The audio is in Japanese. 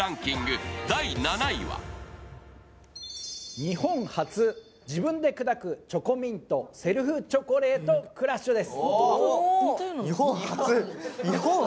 日本初、自分で砕くチョコミントセルフチョコレートクラッシュ！です。